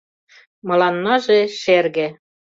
Мыланнаже шерге